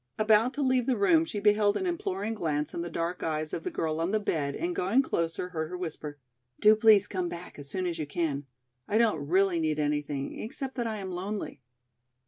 About to leave the room she beheld an imploring glance in the dark eyes of the girl on the bed and going closer heard her whisper: "Do please come back as soon as you can, I don't really need anything except that I am lonely."